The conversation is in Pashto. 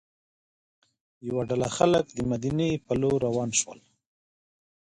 یوه ډله خلک د مدینې پر لور روان شول.